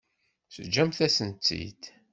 Teǧǧam-asent-tt-id.